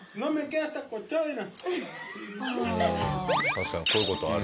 確かにこういう事ある。